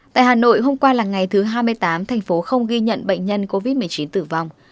tại hà nội hôm qua là ngày thứ hai mươi tám thành phố không ghi nhận bệnh nhân covid một mươi chín tử vong